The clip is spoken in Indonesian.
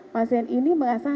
pasien ini merasa